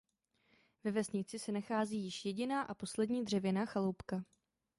Ve vesnici se nachází již jediná a poslední dřevěná chaloupka.